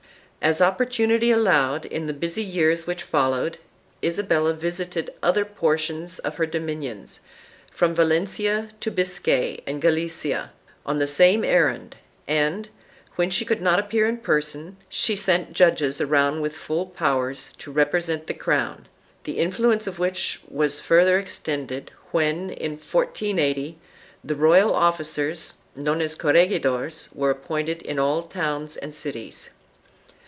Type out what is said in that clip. As opportunity allowed, in the busy years which followed, Isabella visited other portions of her dominions, from Valencia to Biscay and Galicia, on the same errand and, when she could not appear in person, she sent judges around with full power to represent the crown, the influence of which was further extended when, in 1480, the royal officers known as corregidores were appointed in all towns and cities.